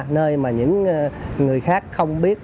nơi mà những người khác không biết